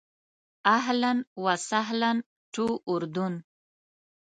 اهلاً و سهلاً ټو اردن.